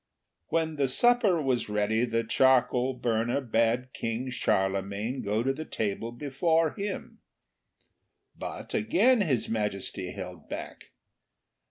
When supper was ready the charcoal burner bade King Charlemagne go to the table before him. But again His Majesty held back.